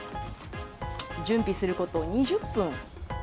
準備すること２０分。